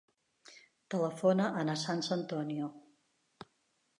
Telefona a la Sança Antonio.